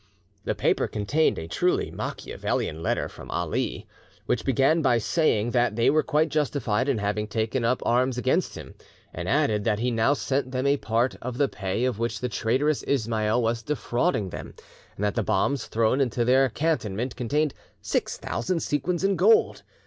The paper contained a truly Macchiavellian letter from Ali, which began by saying that they were quite justified in having taken up arms against him, and added that he now sent them a part of the pay of which the traitorous Ismail was defrauding them, and that the bombs thrown into their cantonment contained six thousand sequins in gold.